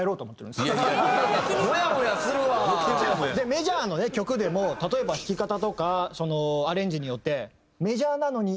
メジャーの曲でも例えば弾き方とかそのアレンジによってメジャーなのに。